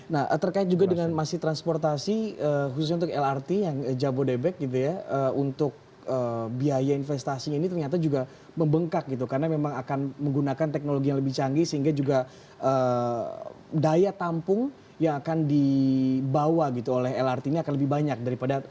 nah terkait juga dengan masih transportasi khususnya untuk lrt yang jabodebek gitu ya untuk biaya investasinya ini ternyata juga membengkak gitu karena memang akan menggunakan teknologi yang lebih canggih sehingga juga daya tampung yang akan dibawa gitu oleh lrt ini akan lebih banyak daripada